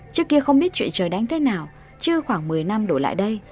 trước kia không biết chuyện trời đánh thế nào chứ khoảng một mươi năm đổi lại đây